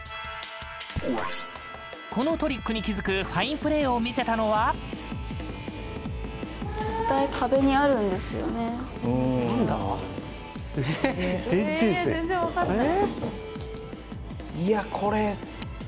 このトリックに気付くファインプレーを見せたのはなんだ？え、全然っすね。